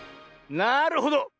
なるほど。